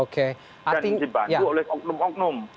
dan dibantu oleh oknum oknum